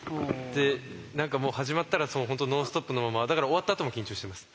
何かもう始まったら本当ノンストップのままだから終わったあとも緊張してます。